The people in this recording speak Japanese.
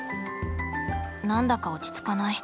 何だか落ち着かない。